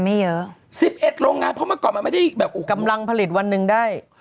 ไม่เยอะสิบเอ็ดโรงงานเพราะเมื่อก่อนมันไม่ได้แบบกำลังผลิตวันหนึ่งได้